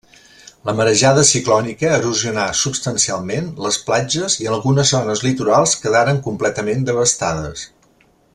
La marejada ciclònica erosionà substancialment les platges i en algunes zones litorals quedaren completament devastades.